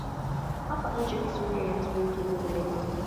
hapa Nchi ya kihistoria ya Waturuki ni Milima